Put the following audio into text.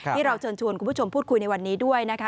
ที่เราเชิญชวนคุณผู้ชมพูดคุยในวันนี้ด้วยนะคะ